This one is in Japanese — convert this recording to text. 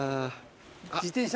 自転車。